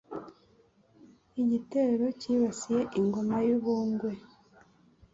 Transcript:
Igitero cyibasiye Ingoma y'u Bungwe